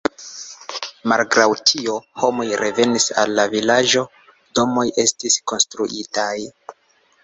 Malgraŭ tio, homoj revenis al la vilaĝo, domoj estis konstruitaj.